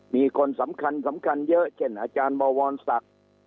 มีคนสำคัญสำคัญเยอะเช่นอาจารย์บวรศักดิ์